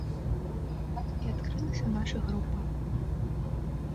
Так і адкрылася наша група.